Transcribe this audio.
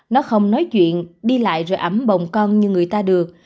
nó không nói chuyện đi lại rồi ẩm bồng con như người ta được